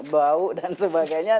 bau dan sebagainya